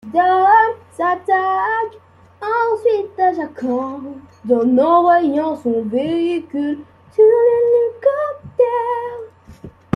Dom s'attaque ensuite à Jakande en envoyant son véhicule sur l’hélicoptère.